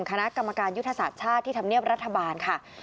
คณะกรรมการยุทธศาสตร์ชาติที่ทำเนียบรัฐบาลค่ะ